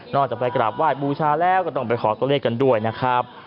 จากไปกราบไหว้บูชาแล้วก็ต้องไปขอตัวเลขกันด้วยนะครับ